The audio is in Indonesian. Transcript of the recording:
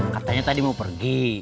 katanya tadi mau pergi